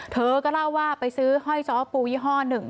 เธอก็เล่าว่าไปซื้อห้อยซ้อปูยี่ห้อหนึ่ง